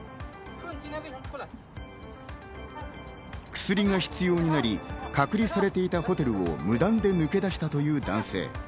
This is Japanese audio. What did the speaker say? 薬が必要になり、隔離されていたホテルを無断で抜け出したという男性。